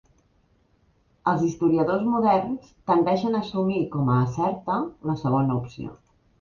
Els historiadors moderns tendeixen a assumir com a certa la segona opció.